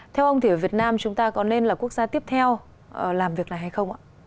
theo ông thì ở việt nam chúng ta có nên là quốc gia tiếp theo làm việc này hay không ạ